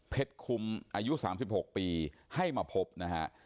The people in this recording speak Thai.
คุ้มอายุ๓๖ปีให้มาพบนะฮะ